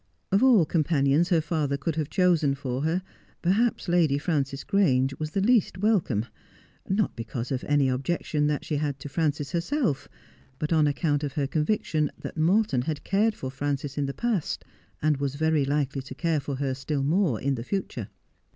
Of all companions her father could have chosen for her, perhaps Lady Frances Grange was the least welcome ; not because of any objection that she had to Frances herself ; but on account of her conviction that Morton had cared for Frances in the past and was very likely to care for her still more in the future.